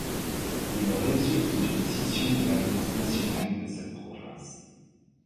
Il résulte d'une scission de l'Alliance nationale de cette province.